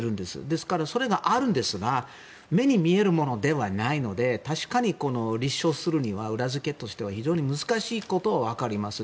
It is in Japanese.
ですから、それがあるんですが目に見えるものではないので確かに、立証するには裏付けとしては非常に難しいことは分かります。